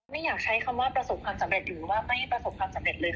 ไม่อยากใช้คำว่าประสบความสำเร็จหรือว่าไม่ประสบความสำเร็จเลยค่ะ